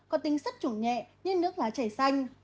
có tinh sất trủng nhẹ như nước lá trẻ xanh